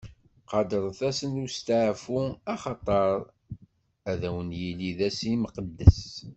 Qadret ass n westeɛfu, axaṭer ad wen-yili d ass imqeddes.